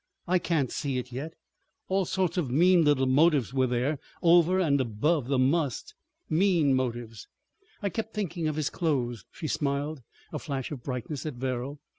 I can't see it yet. All sorts of mean little motives were there—over and above the 'must.' Mean motives. I kept thinking of his clothes." She smiled—a flash of brightness at Verrall.